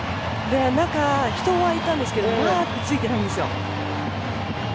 中、人はいたんですけどマークはついてないんですよ。